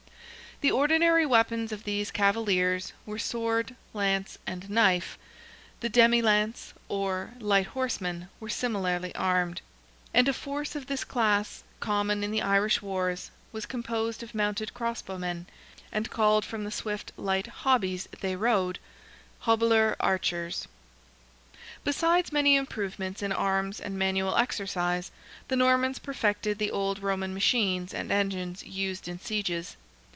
The ordinary weapons of these cavaliers were sword, lance, and knife; the demi launce, or light horsemen, were similarly armed; and a force of this class, common in the Irish wars, was composed of mounted cross bow men, and called from the swift, light hobbies they rode, Hobiler Archers. Besides many improvements in arms and manual exercise, the Normans perfected the old Roman machines and engines used in sieges.